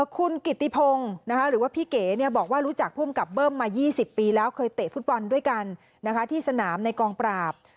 คุณกิติพงศ์หรือว่าพี่เก๋บอกว่ารู้จักภูมิกับเบิ้มมา๒๐ปีแล้วเคยเตะฟุตบอลด้วยกันที่สนามในกองปราบ